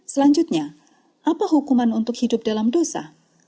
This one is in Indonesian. selanjutnya apa hukuman untuk hidup dalam dosa